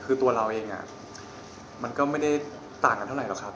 คือตัวเราเองมันก็ไม่ได้ต่างกันเท่าไหรอกครับ